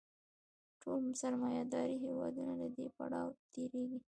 ټول سرمایه داري هېوادونه له دې پړاو تېرېږي